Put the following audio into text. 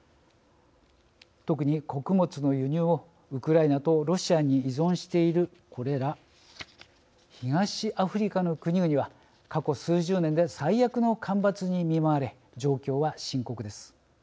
特に穀物の輸入をウクライナとロシアに依存しているこれら東アフリカの国々は過去数十年で最悪の干ばつに見舞われ状況は深刻です。